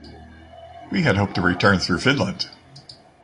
We had hoped to return through Finland.